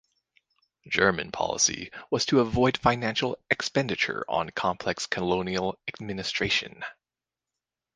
German policy was to avoid financial expenditure on complex colonial administration.